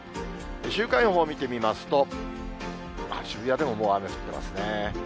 週間予報を見てみますと、渋谷でももう雨降ってますね。